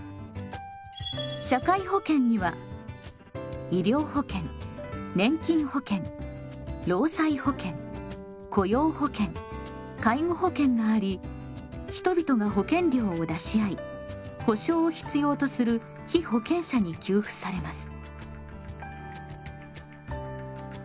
社会保険には医療保険年金保険労災保険雇用保険介護保険があり人々が保険料を出し合い保障を必要とする被保険者に給付されます。